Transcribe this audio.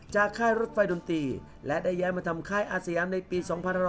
ค่ายรถไฟดนตรีและได้ย้ายมาทำค่ายอาสยามในปี๒๕๖๐